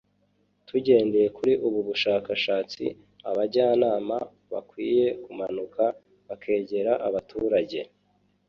tugendeye kuri ubu bushakashatsi abajyanama bakwiye kumanuka bakegera abaturage